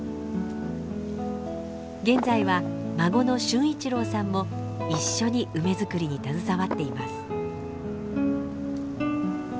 現在は孫の俊一郎さんも一緒に梅作りに携わっています。